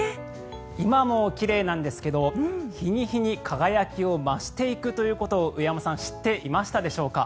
今も奇麗なんですが日に日に輝きを増していくということを上山さん知っていましたでしょうか？